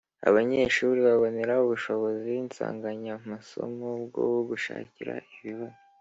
abanyeshuri babonera ubushobozi nsanganyamasomo bwo gushakira ibibazo